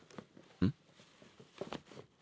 うん？